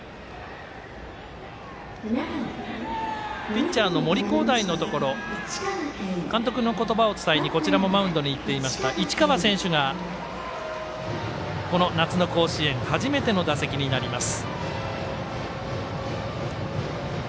ピッチャーの森煌誠のところ監督の言葉を伝えにマウンドに行っていました市川選手が、この夏の甲子園初めての打席になります。